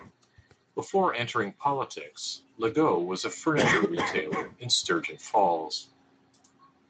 Before entering politics, Legault was a furniture retailer in Sturgeon Falls.